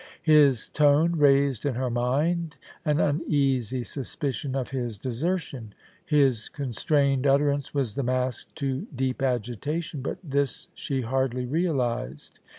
His tone raised in her mind an uneasy suspicion of his desertion. His constrained utterance was the mask to deep agitation, but this she hardly realised.